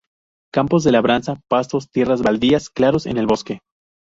Campos de labranza, pastos, tierras baldías, claros en el bosque.